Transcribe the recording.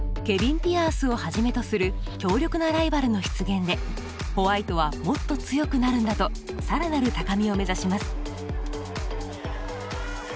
ケビン・ピアースをはじめとする強力なライバルの出現でホワイトはもっと強くなるんだと更なる高みを目指します。